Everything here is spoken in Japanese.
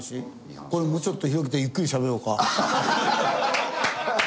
これもうちょっと広げてゆっくりしゃべろうか？